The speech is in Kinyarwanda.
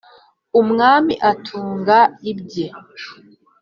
umwami atunga ibye,